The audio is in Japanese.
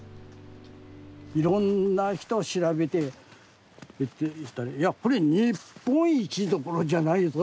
いろんな人調べていやこれ日本一どころじゃないぞ。